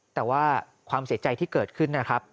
แต่ว่าความเสียใจที่เกิดขึ้นนะครับ